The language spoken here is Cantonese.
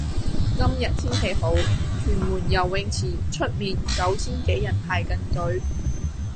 今日天氣好，屯門游泳池出面九千幾人排緊隊。